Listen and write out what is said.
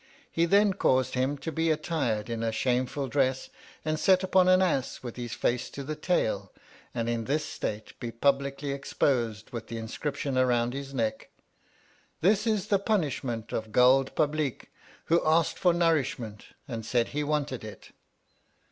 He then caused him to be attired in a shameful dress and set upon an ass with his face to the tail, and in this state to be publicly exposed with the inscription round his neck, This is the punishment of Guld Publeek who asked for nourishment and said he wanted it.